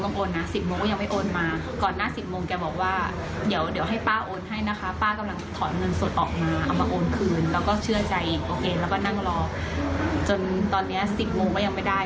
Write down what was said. ถ้าไม่ได้ของก็คือต้องโอนเงินคือเราในเวลาเท่านี้